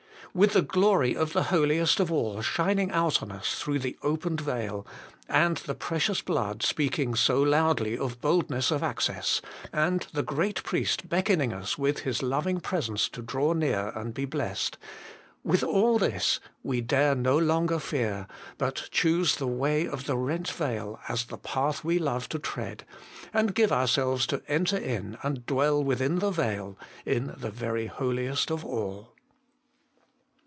With the glory of the Holiest of all shining out on us through the opened veil, and the Precious Blood speaking so loudly of boldness of access, and the Great Priest beckoning us with His loving Presence to draw near and be blessed, with all this, we dare no longer fear, but choose the way of the rent veil as the path we love to tread, and give ourselves to enter in and dwell within the veil, in the very Holiest of all.